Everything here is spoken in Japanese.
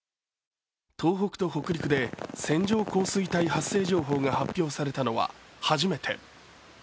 東北と北陸で線状降水帯発生情報が発表されたのは始めて。